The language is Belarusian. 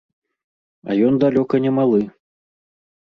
А ён далёка не малы.